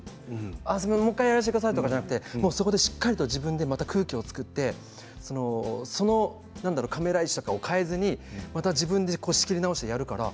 そこ、もう１回やらせてくださいとかじゃなくてしっかりとまた自分で空気を作ってカメラ位置とかを変えずにまた自分で仕切り直してやるから。